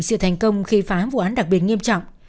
sự thành công khi phá vụ án đặc biệt nghiêm trọng